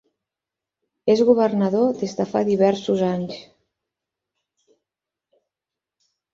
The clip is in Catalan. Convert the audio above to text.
És governador des de fa diversos anys.